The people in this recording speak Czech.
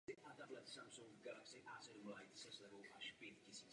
V obci je zastávka autobusové linky.